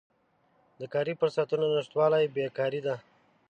د کاري فرصتونو نشتوالی بیکاري ده.